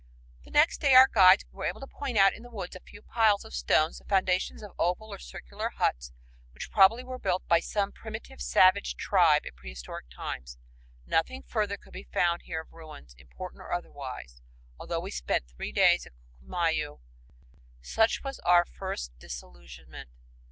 The next day our guides were able to point out in the woods a few piles of stones, the foundations of oval or circular huts which probably were built by some primitive savage tribe in prehistoric times. Nothing further could be found here of ruins, "important" or otherwise, although we spent three days at Ccllumayu. Such was our first disillusionment.